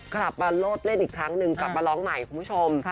กลับมาโลดเล่นอีกครั้งหนึ่งกลับมาร้องใหม่คุณผู้ชม